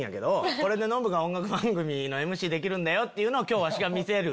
これでノブが音楽番組のＭＣできるんだよっていうのを今日はわしが見せる。